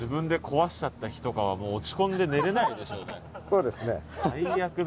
そうですね。